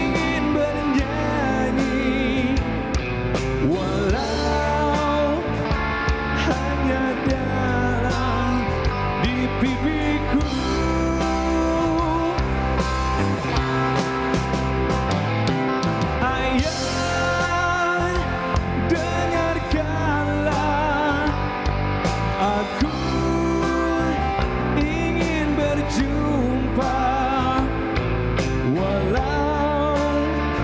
hidup rela dia berikan